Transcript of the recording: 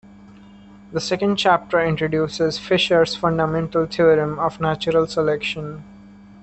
The second chapter introduces Fisher's fundamental theorem of natural selection.